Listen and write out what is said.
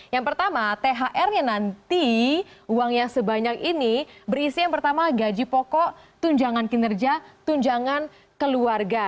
yang pertama thr nya nanti uang yang sebanyak ini berisi yang pertama gaji pokok tunjangan kinerja tunjangan keluarga